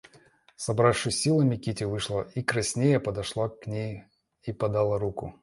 Собравшись с силами, Кити вышла и краснея подошла к ней и подала руку.